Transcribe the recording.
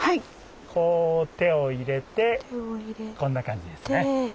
こう手を入れてこんな感じですね。